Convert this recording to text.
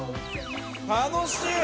楽しい！